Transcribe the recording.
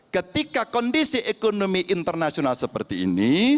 ketika kondisi ekonomi internasional seperti ini